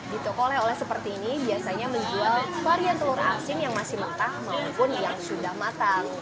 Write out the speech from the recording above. di toko oleh oleh seperti ini biasanya menjual varian telur asin yang masih matang maupun yang sudah matang